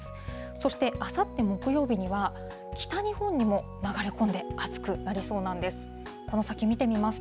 そしてあさって木曜日には、北日本にも流れ込んで、暑くなりそうなんです。